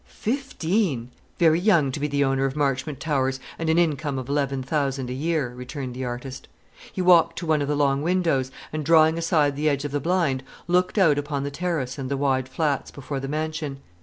"Fifteen! Very young to be the owner of Marchmont Towers and an income of eleven thousand a year," returned the artist. He walked to one of the long windows, and drawing aside the edge of the blind, looked out upon the terrace and the wide flats before the mansion.